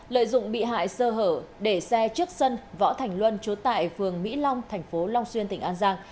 lợi dụng bị hại sơ hở để xe trước sân võ thành luân trú tại phường mỹ long thành phố long xuyên tỉnh an giang